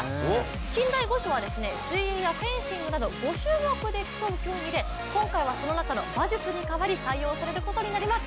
近代五種は水泳やフェンシングなど５種目で競う競技で今回は、その中の馬術にかわり採用されることになります。